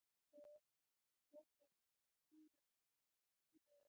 د سیاحت صنعت احساسات پلوري.